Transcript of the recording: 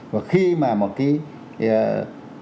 và khi mà một cái vấn đề này đã được giải quyết được